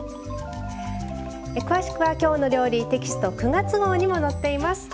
詳しくは「きょうの料理」テキスト９月号にも載っています。